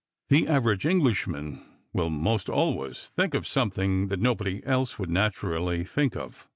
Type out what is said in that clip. The average Englishman will most always think of something that nobody else would naturally think of.